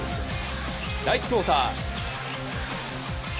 第１クオーター。